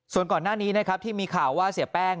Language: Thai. ส่วนก่อนหน้านี้นะครับที่มีข่าวว่าเสียแป้ง